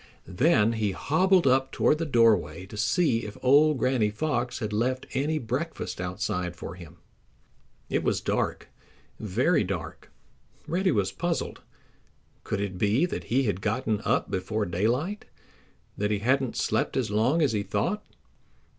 Then he hobbled up toward the doorway to see if old Granny Fox had left any breakfast outside for him. It was dark, very dark. Reddy was puzzled. Could it be that he had gotten up before daylight—that he hadn't slept as long as he thought?